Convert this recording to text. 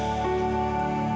aku mau pulang